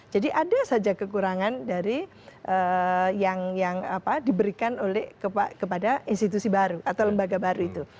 jadi ada saja kekurangan dari yang diberikan oleh kepada institusi baru atau lembaga baru itu